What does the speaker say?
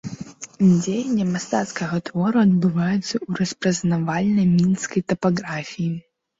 Дзеянне мастацкага твору адбываецца ў распазнавальнай мінскай тапаграфіі.